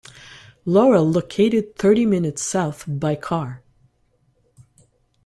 Laurel located thirty minutes south by car.